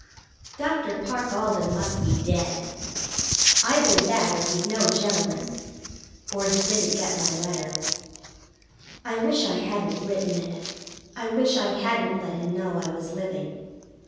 Dr. Parke Alden must be dead. Either that or he's no gentleman, or he didn't get my letter. I wish I hadn't written it. I wish I hadn't let him know I was living.